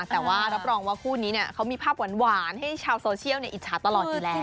แต่ว่ารับรองว่าคู่นี้เขามีภาพหวานให้ชาวโซเชียลอิจฉาตลอดอยู่แล้ว